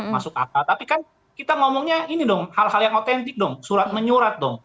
masuk akal tapi kan kita ngomongnya ini dong hal hal yang otentik dong surat menyurat dong